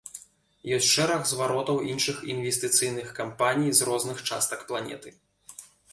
Ёсць шэраг зваротаў іншых інвестыцыйных кампаній з розных частак планеты.